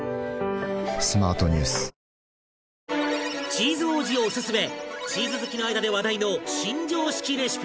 チーズ王子オススメチーズ好きの間で話題の新常識レシピ